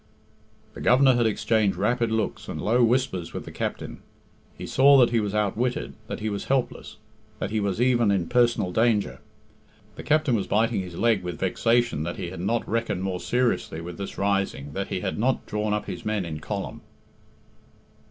The Governor had exchanged rapid looks and low whispers with the captain. He saw that he was outwitted, that he was helpless, that he was even in personal danger. The captain was biting his leg with vexation that he had not reckoned more seriously with this rising that he had not drawn up his men in column.